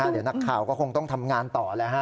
เดี๋ยวนักข่าวก็คงต้องทำงานต่อแล้วฮะ